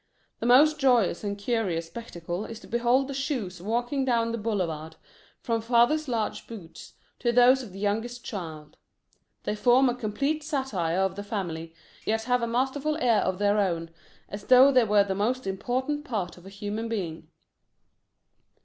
The most joyous and curious spectacle is to behold the shoes walking down the boulevard, from father's large boots to those of the youngest child. They form a complete satire of the family, yet have a masterful air of their own, as though they were the most important part of a human being.